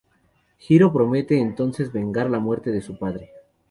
Hiro promete entonces vengar la muerte de su padre.